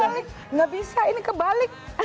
kebalik gak bisa ini kebalik